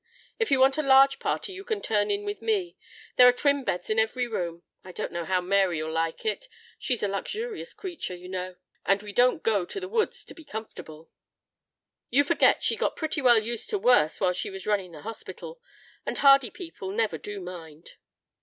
If you want a large party you can turn in with me. There are twin beds in every room. I don't know how Mary'll like it; she's a luxurious creature, you know, and we don't go to the woods to be comfortable " "You forget she got pretty well used to worse while she was running that hospital. And hardy people never do mind."